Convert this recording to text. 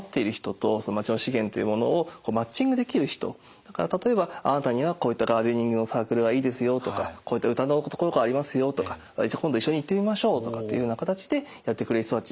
だから例えば「あなたにはこういったガーデニングのサークルがいいですよ」とか「こういった歌のところがありますよ」とか「今度一緒に行ってみましょう」とかっていうような形でやってくれる人たち。